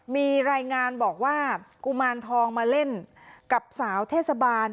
มีรายงานบอกว่ากุมารทองมาเล่นกับสาวเทศบาล